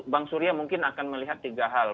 bang surya mungkin akan melihat tiga hal